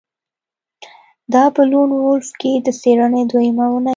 دا په لون وولف کې د څیړنې دویمه اونۍ وه